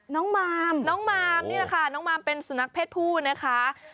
มามน้องมามนี่แหละค่ะน้องมามเป็นสุนัขเพศผู้นะคะ